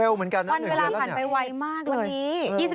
วันเวลาผ่านไปไวมากเลย